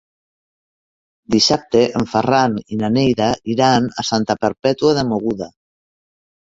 Dissabte en Ferran i na Neida iran a Santa Perpètua de Mogoda.